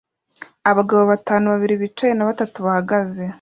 abagabo batanu; babiri bicaye na batatu bahagaze